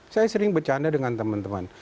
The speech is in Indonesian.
saya sering bercanda dengan teman teman